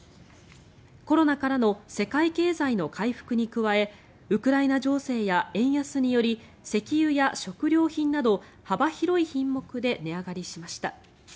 コロナからの世界経済の回復に加えウクライナ情勢や円安により石油や食料品など幅広い品目で値上がりしました。